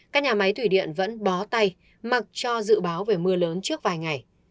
các nhà máy thủy điện vẫn bó tay mặc cho dự báo về mưa lớn trước vài ngày